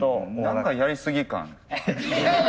何かやりすぎ感ある。